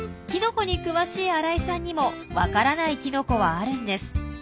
キノコに詳しい新井さんにもわからないキノコはあるんです。